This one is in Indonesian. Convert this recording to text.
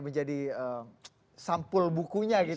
menjadi sampul bukunya gitu